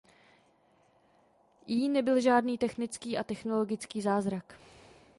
I. nebyl žádný technický a technologický zázrak.